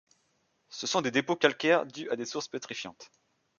Ce sont des dépôts calcaires dus à des sources pétrifiantes.